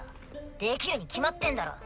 できるに決まってんだろ。